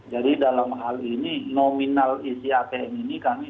jadi dalam hal ini nominal isi atm ini kami